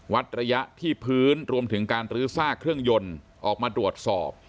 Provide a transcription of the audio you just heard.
วัดระยะที่พื้นรวมถึงการลื้อซากเครื่องยนต์ออกมาตรวจสอบ